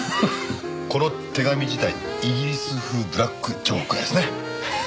この手紙自体イギリス風ブラックジョークですね。